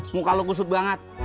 muka lu kusut banget